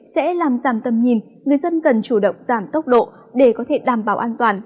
sẽ làm giảm tâm nhìn người dân cần chủ động giảm tốc độ để có thể đảm bảo an toàn